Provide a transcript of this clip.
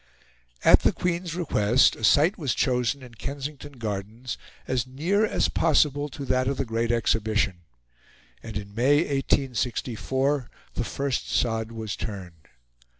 At the Queen's request a site was chosen in Kensington Gardens as near as possible to that of the Great Exhibition; and in May, 1864, the first sod was turned.